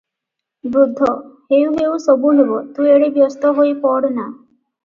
ବୃଦ୍ଧ-ହେଉ ହେଉ, ସବୁ ହେବ, ତୁ ଏଡେ ବ୍ୟସ୍ତ ହୋଇ ପଡ଼ ନା ।